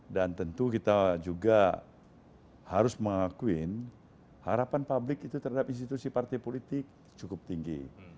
tentu kita juga harus mengakuin harapan publik itu terhadap institusi partai politik cukup tinggi